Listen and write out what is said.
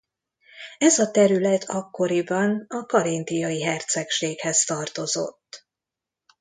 Ez a terület akkoriban a Karintiai Hercegséghez tartozott.